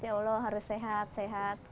ya allah harus sehat sehat